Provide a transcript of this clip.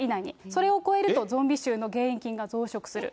それを超えると、ゾンビ臭の原因菌が増殖する。